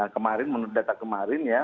kemarin menurut data kemarin ya